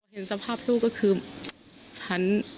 เห็นสภาพลูกก็คือหัน